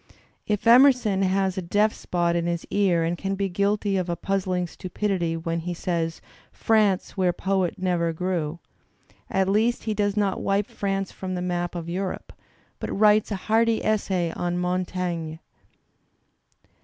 If Emerson has a deaf spot in his ear and can be guilty of a puz zling stupidity when he says, "Prance where poet never grew," at least he does not wipe France from the map of Europe^ Digitized by Google EMERSON 95 but writes a hearty essay on Montaigne.